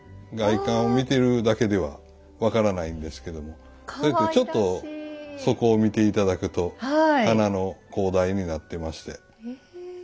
外観を見てるだけでは分からないんですけどもちょっと底を見て頂くと花の高台になってまして。